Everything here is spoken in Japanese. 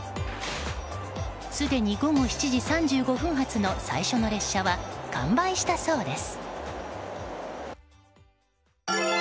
すでに午後７時３５分発の最初の列車は完売したそうです。